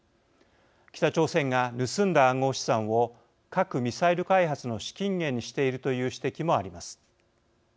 北朝鮮が盗んだ暗号資産を核・ミサイル開発の資金源にしているという指摘もあります。